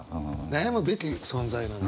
悩むべき存在なんだと。